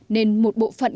nên một bộ phận